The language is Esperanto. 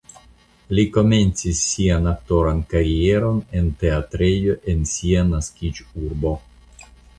Li komencis sian aktoran karieron en teatrejo en sia naskiĝurbo.